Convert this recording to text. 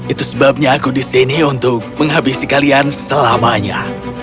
itu sebabnya aku disini untuk menghabisi kalian selamanya